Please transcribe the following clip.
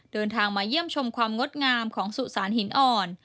เดินทางมาเยี่ยมชมความงดงามของสุสานหินอ่อน